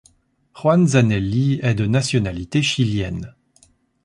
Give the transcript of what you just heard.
Juan Zanelli est de nationalité chilienne.